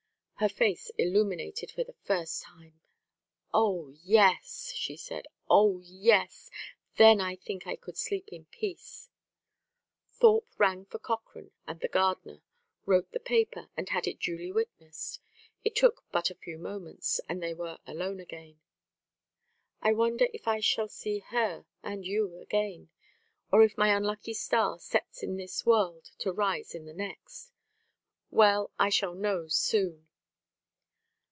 Her face illuminated for the first time. "Oh, yes!" she said. "Oh, yes! Then I think I could sleep in peace." Thorpe rang for Cochrane and the gardener, wrote the paper, and had it duly witnessed. It took but a few moments, and they were alone again. "I wonder if I shall see her and you again, or if my unlucky star sets in this world to rise in the next? Well, I shall know soon.